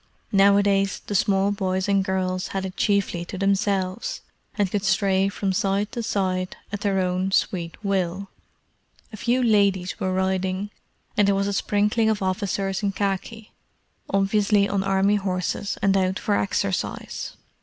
Nowadays the small boys and girls had it chiefly to themselves, and could stray from side to side at their own sweet will. A few ladies were riding, and there was a sprinkling of officers in khaki; obviously on Army horses and out for exercise.